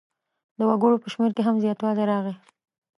د وګړو په شمېر کې هم زیاتوالی راغی.